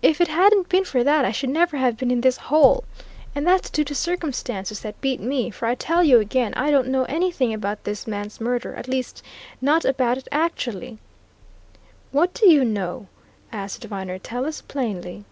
If it hadn't been for that, I should never have been in this hole! And that's due to circumstances that beat me, for I tell you again, I don't know anything about this man's murder at least, not about it actually." "What do you know?" asked Viner. "Tell us plainly."